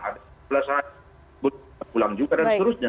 ada yang lima belas hari pulang juga dan seterusnya